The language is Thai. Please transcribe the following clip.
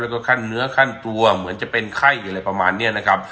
แล้วก็ขั้นเนื้อขั้นตัวเหมือนจะเป็นไข้หรืออะไรประมาณนี้นะครับ